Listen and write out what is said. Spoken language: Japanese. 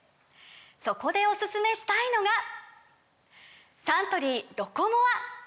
そこでおすすめしたいのがサントリー「ロコモア」！